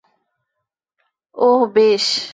ওহ, বেশ।